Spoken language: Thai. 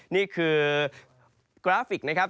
นี่คือกราฟิกนะครับ